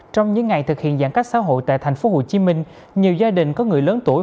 trong những ngày thực hiện giãn cách xã hội tại tp hcm nhiều gia đình có người lớn tuổi